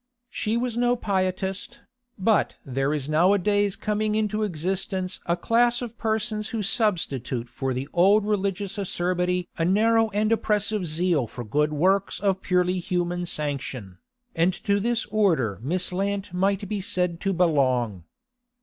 She was no pietist, but there is nowadays coming into existence a class of persons who substitute for the old religious acerbity a narrow and oppressive zeal for good works of purely human sanction, and to this order Miss Lant might be said to belong.